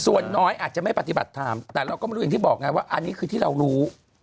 ส่วนน้อยอาจจะไม่ปฏิบัติธรรมแต่เราก็ไม่รู้อย่างที่บอกไงว่าอันนี้คือที่เรารู้